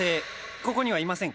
ここにはいませんか？